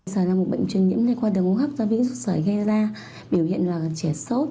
sởi là một bệnh truyền nhiễm này qua đường hốc do bệnh sởi gây ra biểu hiện là trẻ sốt